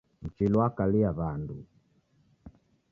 Mchili wakalia w'andu.